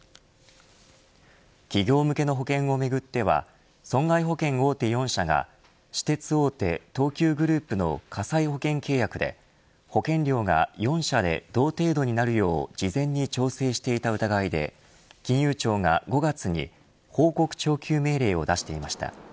企業向けの保険をめぐっては損害保険大手４社が私鉄大手東急グループの火災保険契約で保険料が４社で同程度になるよう事前に調整していた疑いで金融庁が５月に報告徴求命令を出していました。